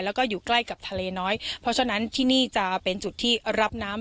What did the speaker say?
แล้วก็อยู่ใกล้กับทะเลน้อยเพราะฉะนั้นที่นี่จะเป็นจุดที่รับน้ำ